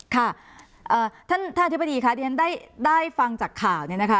ค่ะท่านท่านอธิบดีค่ะที่ฉันได้ฟังจากข่าวเนี่ยนะคะ